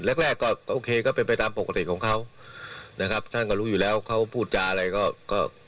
แรกแรกก็โอเคก็เป็นไปตามปกติของเขานะครับท่านก็รู้อยู่แล้วเขาพูดจาอะไรก็ก็